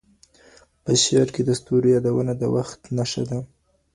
په شعر کې د ستورو یادونه د وخت نښه ده.